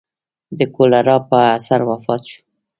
د کولرا په اثر وفات شو.